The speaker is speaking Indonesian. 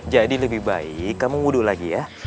jadi lebih baik kamu wudhu lagi ya